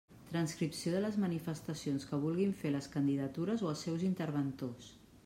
Transcripció de les manifestacions que vulguin fer les candidatures o els seus interventors.